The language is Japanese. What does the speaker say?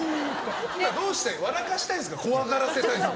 どうしたいの？笑かしたいんですか怖がらせたいんですか。